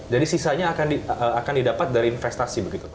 jadi sisanya akan didapat dari investasi begitu pak